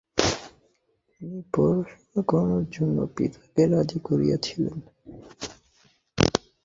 তিনি পড়াশোনা করার জন্য পিতাকে রাজি করিয়েছিলেন।